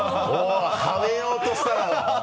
はめようとしただろ。